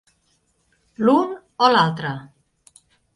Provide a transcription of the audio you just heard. L'un o l'altre.